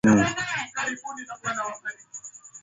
Mpemba nae anataka viwanda aajiriwe anataka barabara asafirishe